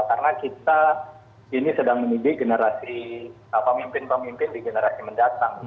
karena kita ini sedang mendidik generasi pemimpin pemimpin di generasi mendatang